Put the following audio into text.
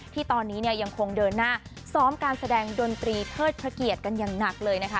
ที่ตอนนี้เนี่ยยังคงเดินหน้าซ้อมการแสดงดนตรีเทิดพระเกียรติกันอย่างหนักเลยนะคะ